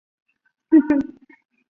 随后倪玉兰开始上访。